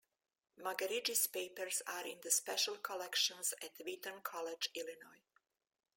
Muggeridge's papers are in the Special Collections at Wheaton College, Illinois.